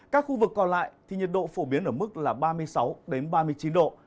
các khu vực còn lại thì nhiệt độ phổ biến ở mức là ba mươi sáu ba mươi chín độ